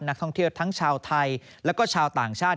นักท่องเที่ยวทั้งชาวไทยแล้วก็ชาวต่างชาติ